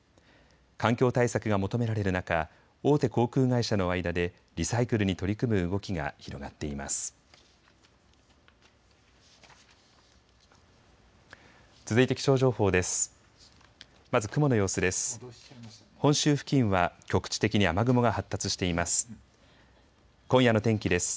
環境対策が求められる中、大手航空会社の間でリサイクルに取り組む動きが広がっています。